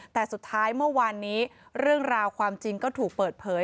แต่สุดท้ายเมื่อวานนี้เรื่องราวความจริงก็ถูกเปิดเผย